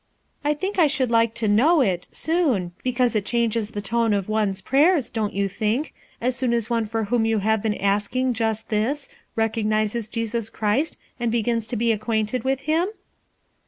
"I think I should like to know it, so™ because it changes the tone of one's prayer* don't you think, as soon as one for whom vou have been asking just this, recognizes Je^us Christ and begins to be acquainted with Him?"